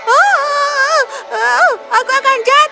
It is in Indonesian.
oh aku akan jatuh